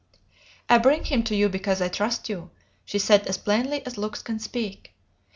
"'I bring him to you because I trust you,' she said as plainly as looks can speak.